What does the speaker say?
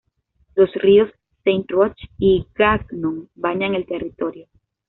Los ríos Saint-Roch y Gagnon bañan el territorio.